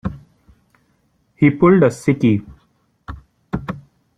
He pulled a sickie.